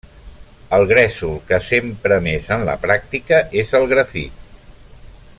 El gresol que s'empra més en la pràctica és el grafit.